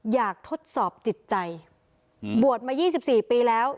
ทดสอบจิตใจบวชมา๒๔ปีแล้ว